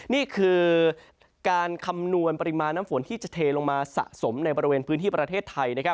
นี่คือการคำนวณปริมาณน้ำฝนที่จะเทลงมาสะสมในบริเวณพื้นที่ประเทศไทย